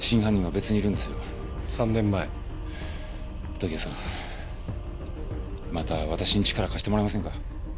時矢さんまた私に力を貸してもらえませんか？